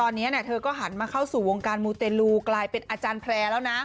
ตอนนี้เธอก็หันมาเข้าสู่วงการมูเตลูกับกลายเป็นอาจารย์แพร่แล้วนะ